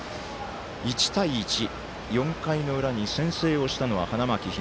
１対１、４回の裏に先制をしたのは花巻東。